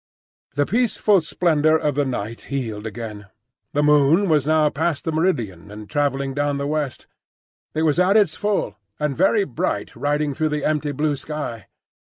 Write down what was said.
The peaceful splendour of the night healed again. The moon was now past the meridian and travelling down the west. It was at its full, and very bright riding through the empty blue sky.